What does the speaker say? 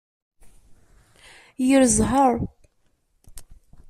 Yir zzheṛ!